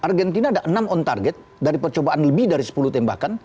argentina ada enam on target dari percobaan lebih dari sepuluh tembakan